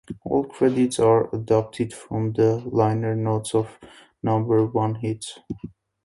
All credits are adapted from the liner notes of "Number One Hits".